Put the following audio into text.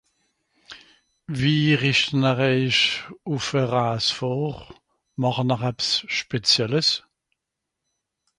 wie rechenr eich ùffe raas vor màchenr abs schpezielles ?